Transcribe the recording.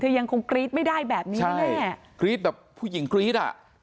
ยังคงกรี๊ดไม่ได้แบบนี้แน่แน่กรี๊ดแบบผู้หญิงกรี๊ดอ่ะ